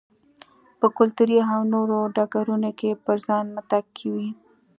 په کلتوري او نورو ډګرونو کې پر ځان متکي وي.